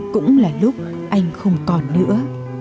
cũng là lúc anh không còn nữa